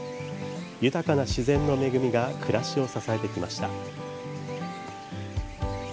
豊かな自然の恵みが暮らしを支えてきました。